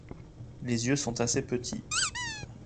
Les yeux sont assez petits.